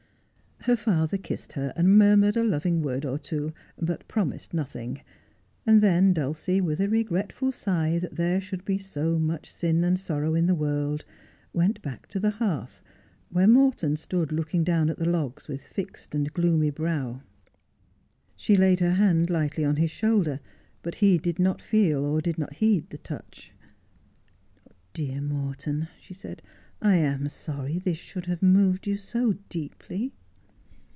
Her father kissed her, and murmured a loving word or two, but After Twenty Years, 21 promised nothing ; and then Dulcie, with a regretful sigh that there should be so much sin and sorrow in the world, went back to the hearth where Morton stood looking down at the logs with fixed and gloomy brow. She laid her hand lightly on his shoulder, but he did not feel or did not heed the touch. ' Dear Morton,' she said, ' I am sorry this should have moved yoa so deeply.'